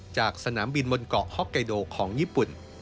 จากสนามบินบนเกาะฮอกไกโดของญี่ปุ่น